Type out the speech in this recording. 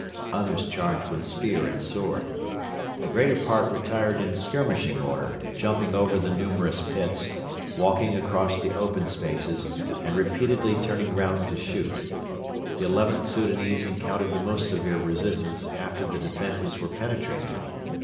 Others charged with spear and sword. The greater part retired in skirmishing order, jumping over the numerous pits, walking across the open spaces, and repeatedly turning round to shoot. The XIth Soudanese encountered the most severe resistance after the defences were penetrated.